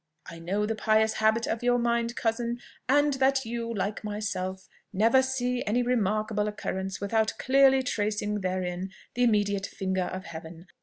"I know the pious habit of your mind, cousin, and that you, like myself, never see any remarkable occurrence without clearly tracing therein the immediate finger of Heaven.